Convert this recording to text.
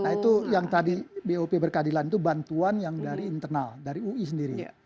nah itu yang tadi bop berkeadilan itu bantuan yang dari internal dari ui sendiri